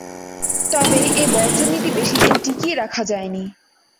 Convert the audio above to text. তবে এ বর্জননীতি বেশিদিন টিকিয়ে রাখা যায় নি।